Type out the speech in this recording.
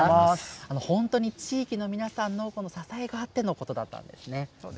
本当に地域の皆さんの支えがあってのことだったんですね。